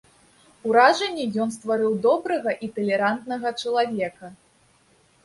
Уражанне ён стварыў добрага і талерантнага чалавека.